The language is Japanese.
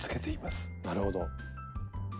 なるほど。